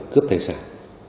cướp thay sản